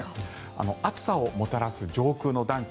暑さをもたらす上空の暖気